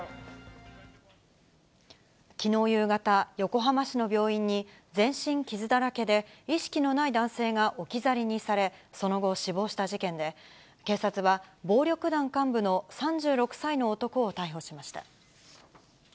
きのう夕方、横浜市の病院に、全身傷だらけで意識のない男性が置き去りにされ、その後、死亡した事件で、警察は暴力団幹部の３６歳の男を逮捕しました。